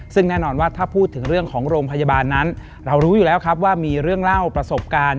ซึ่งแน่นอนว่าถ้าพูดถึงเรื่องของโรงพยาบาลนั้นเรารู้อยู่แล้วครับว่ามีเรื่องเล่าประสบการณ์